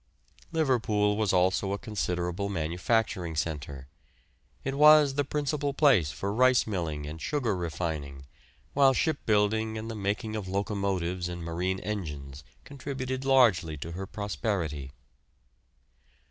Liverpool was also a considerable manufacturing centre. It was the principal place for rice milling and sugar refining, while shipbuilding and the making of locomotives and marine engines contributed largely to her prosperity.